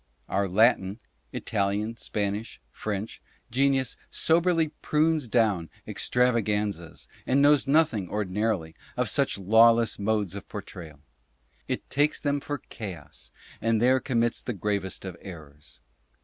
Our Latin [Italian, Spanish, French] genius soberly prunes down extravaganzas, and knows nothing, ordinarily, of such lawless modes of portrayal. It takes them for chaos, and there com mits the gravest of errors.